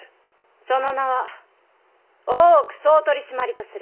その名は大奥総取締とする。